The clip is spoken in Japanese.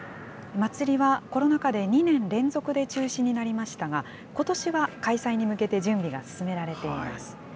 祭りはコロナ禍で２年連続で中止になりましたが、ことしは開催に向けて、準備が進められています。